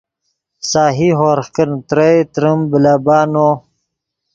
سہی ہورغ کن ترئے تریم بلیبہ نو